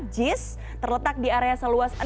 jis terletak di area seluas enam puluh enam enam hektare